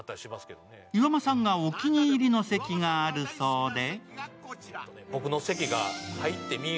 岩間さんがお気に入りの席があるそうで。